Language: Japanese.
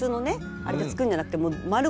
あれで作るんじゃなくてもう丸ごと